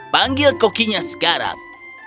panggil kokinya sekarang